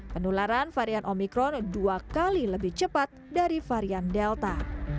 penularan varian omikron dua kali lebih cepat dari varian delta